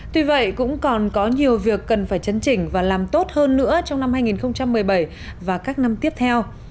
tuy vậy cũng còn có nhiều việc cần phải chấn chỉnh và làm tốt hơn nữa trong năm hai nghìn một mươi bảy và các năm tiếp theo